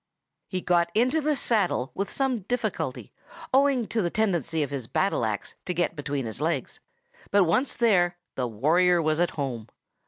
He got into the saddle with some difficulty, owing to the tendency of his battle axe to get between his legs; but once there, the warrior was at home.